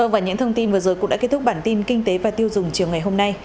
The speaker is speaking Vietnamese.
và những thông tin vừa rồi cũng đã kết thúc bản tin kinh tế và tiêu dùng chiều ngày hôm nay